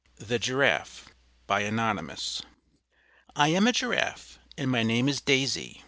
THE GIRAFFE Anonymous I am a Giraffe and my name is Daisy.